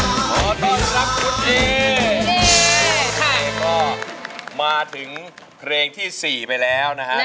เอ๊ก็มาถึงเพลงที่๔ไปแล้วนะคะ